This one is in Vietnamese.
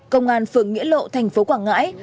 công an phượng nghĩa lộ tp quảng ngãi